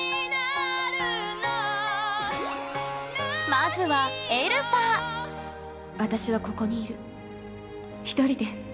まずは私はここにいる１人で。